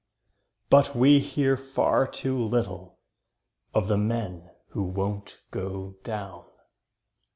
But we hear far too little Of the men who won't go down.